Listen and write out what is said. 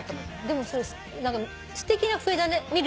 でもそれすてきな笛だね。